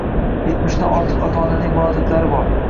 Yetmishdan ortiq ota-onaning murojaatlar bor